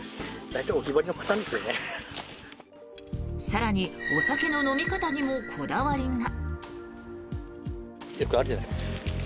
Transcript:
更に、お酒の飲み方にもこだわりが。